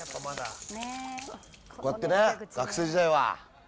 こうやってね、学生時代は。